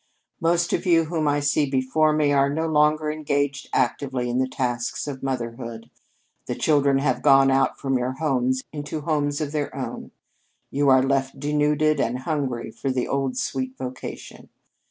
"Most of you whom I see before me are no longer engaged actively in the tasks of motherhood. The children have gone out from your homes into homes of their own. You are left denuded and hungry for the old sweet vocation.